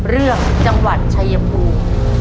เรื่องจังหวัดชายภูมิ